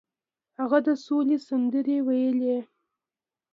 هغه د سولې سندرې ویلې.